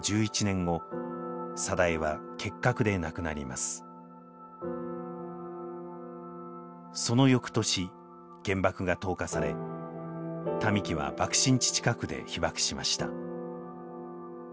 しかしその翌年原爆が投下され民喜は爆心地近くで被爆しました。